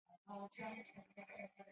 沟牙田鼠属等之数种哺乳动物。